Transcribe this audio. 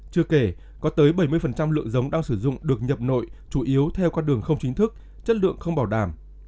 chưa kể có tới bảy mươi lượng giống đang sử dụng được nhập nội chủ yếu theo con đường không chính thức chất lượng không bảo đảm